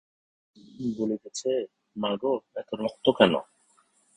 বলিতেছে, মাগো, এত রক্ত কেন!